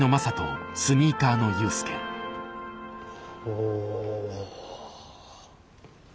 お。